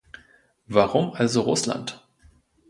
Warum also Russland?